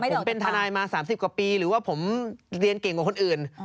ผมเป็นทนายมา๓๐กว่าปีหรือว่าผมเรียนเก่งกว่าคนอื่น